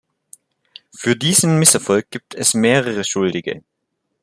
Für diesen Misserfolg gibt es mehrere Schuldige.